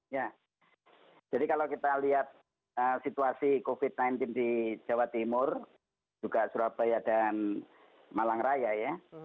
ya jadi kalau kita lihat situasi covid sembilan belas di jawa timur juga surabaya dan malang raya ya